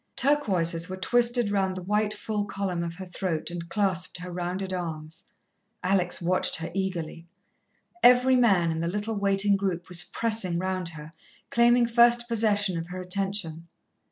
Turquoises were twisted round the white, full column of her throat, and clasped her rounded arms. Alex watched her eagerly. Every man in the little waiting group was pressing round her, claiming first possession of her attention.